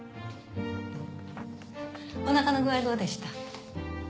お腹の具合どうでした？